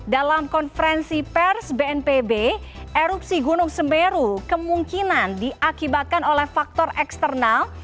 dalam konferensi pers bnpb erupsi gunung semeru kemungkinan diakibatkan oleh faktor eksternal